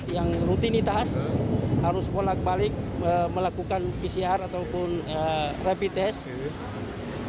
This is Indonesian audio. yang rutinitas harus bolak balik melakukan pcr ataupun rapid test